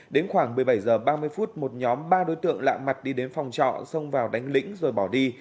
đến khoảng một mươi bảy h ba mươi phút một nhóm ba đối tượng lạ mặt đi đến phòng trọ xông vào đánh lĩnh rồi bỏ đi